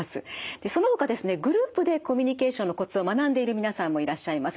そのほかですねグループでコミュニケーションのコツを学んでいる皆さんもいらっしゃいます。